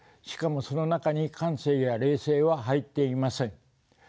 しかもその中に感性や霊性は入っていません。